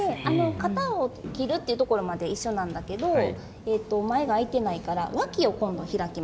肩を切るっていうところまで一緒なんだけど前があいてないからわきを今度開きます。